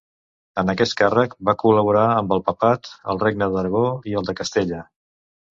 En aquest càrrec va col·laborar amb el papat, el Regne d'Aragó i el de Castella.